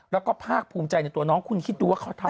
แล้วก็ภาคภูมิใจในตัวน้องคุณคิดดูว่าเขาทำ